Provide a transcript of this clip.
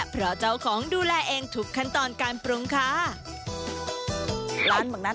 เพราะเจ้าของดูแลเองทุกขั้นตอนการปรุงค่ะ